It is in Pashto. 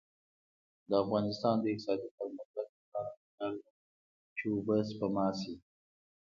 د افغانستان د اقتصادي پرمختګ لپاره پکار ده چې اوبه سپما شي.